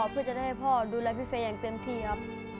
เพื่อจะได้ให้พ่อดูแลพี่เฟย์อย่างเต็มที่ครับ